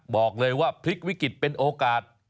บอกเลยว่าพลิกวิกฤตเป็นโอกาส